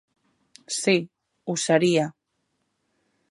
Sí, ho seria.